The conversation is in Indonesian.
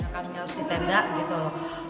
kami harus ditendak gitu loh